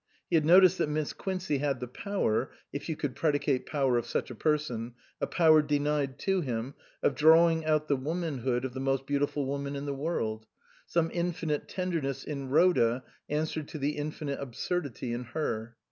He had noticed that Miss Quincey had the power (if you could predicate power of such a person), a power denied to him, of drawing out the womanhood of the most beautiful woman in the world ; some infinite tenderness in Rhoda answered to the infinite absurdity in her.